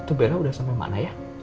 itu bella udah sampe mana ya